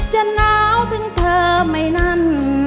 จะเหงาถึงเธอไม่นั้น